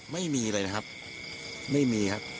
ไม่มีเลยนะครับไม่มีครับ